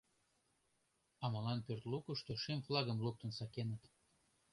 — А молан пӧрт лукышко шем флагым луктын сакеныт?